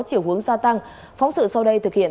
chiều hướng gia tăng phóng sự sau đây thực hiện